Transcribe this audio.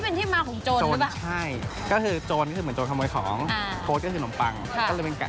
นี่เป็นที่มาของโจรหรือเปล่า